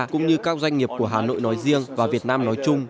cũng như các doanh nghiệp của hà nội nói riêng và việt nam nói chung